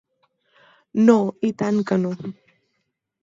No, i tant que no.